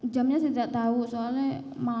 jamnya saya tidak tahu soalnya